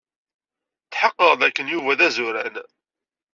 Tḥeqqeɣ dakken Yuba d azuran.